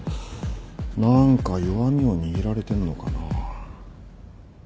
何か弱みを握られてんのかなぁ。